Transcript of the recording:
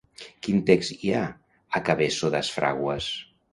Quin text hi ha a Cabeço das Fráguas?